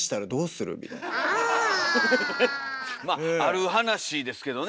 まあある話ですけどね